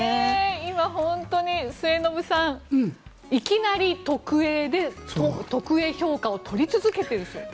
今、本当に末延さん、いきなり特Ａで特Ａ評価を取り続けていると。